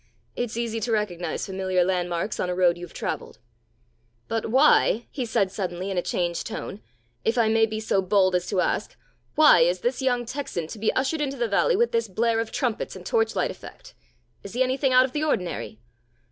It's easy to recognize familiar landmarks on a road you've travelled. But why," he said suddenly in a changed tone, "if I may be so bold as to ask, why is this young Texan to be ushered into the valley with this blare of trumpets and torchlight effect? Is he anything out of the ordinary?"